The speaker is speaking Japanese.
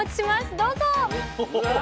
どうぞ！